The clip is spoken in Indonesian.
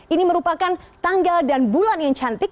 ini merupakan tanggal dan bulan yang cantik